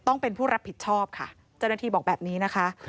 ต้องเป็นผู้รับผิดชอบค่ะเจ้าหน้าที่บอกแบบนี้นะคะ